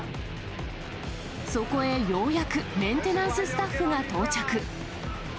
そこへようやく、メンテナンススタッフが到着。